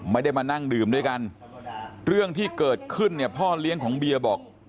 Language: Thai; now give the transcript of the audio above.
ไม่ได้มานั่งดื่มด้วยกันเรื่องที่เกิดขึ้นเนี่ยพ่อเลี้ยงของเบียร์บอก